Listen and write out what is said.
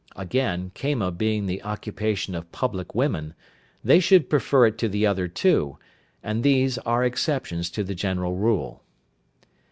Again, Kama being the occupation of public women, they should prefer it to the other two, and these are exceptions to the general rule.